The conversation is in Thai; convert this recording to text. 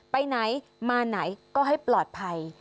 ไปไหนมาไหนก็ให้ปลอดภัย